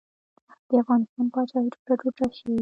د افغانستان پاچاهي ټوټه ټوټه شي.